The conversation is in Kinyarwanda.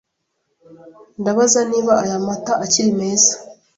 Ndabaza niba aya mata akiri meza.